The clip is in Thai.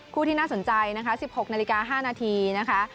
ที่น่าสนใจนะคะ๑๖นาฬิกา๕นาทีนะคะ